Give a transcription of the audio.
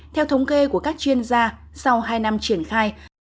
theo thống kê của các chuyên gia sau hai năm triển khai